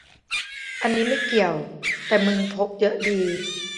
อันนี้ไม่เกี่ยว แต่มึงพกเยอะดี